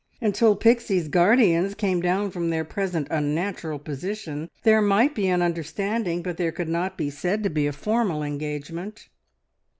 Until Pixie's guardians came down from their present unnatural position, there might be an understanding, but there could not be said to be a formal engagement.